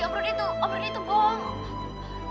om rudi itu om rudi itu bohong